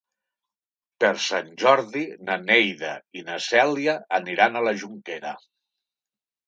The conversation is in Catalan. Per Sant Jordi na Neida i na Cèlia aniran a la Jonquera.